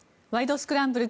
スクランブル」